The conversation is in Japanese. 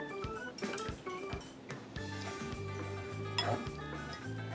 あっ！